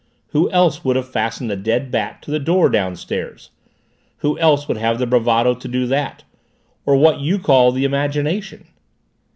"Who else would have fastened a dead bat to the door downstairs? Who else would have the bravado to do that? Or what you call the imagination?"